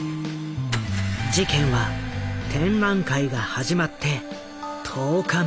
事件は展覧会が始まって１０日目に起きた。